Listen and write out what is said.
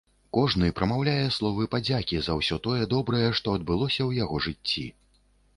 Кожны прамаўляе словы падзякі за ўсё тое добрае, што адбылося ў яго жыцці.